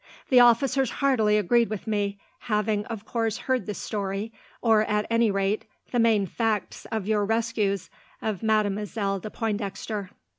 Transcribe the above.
The officers heartily agreed with me, having, of course, heard the story, or, at any rate, the main facts of your rescues of Mademoiselle de Pointdexter."